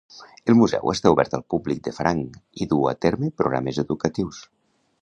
El museu està obert al públic de franc i duu a terme programes educatius.